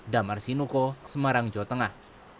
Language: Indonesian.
damar sinuko semarang jawa tengah